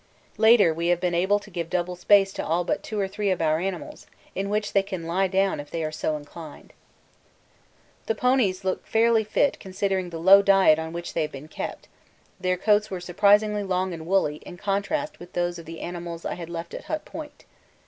Later we have been able to give double space to all but two or three of our animals, in which they can lie down if they are so inclined. The ponies look fairly fit considering the low diet on which they have been kept; their coats were surprisingly long and woolly in contrast with those of the animals I had left at Hut Point.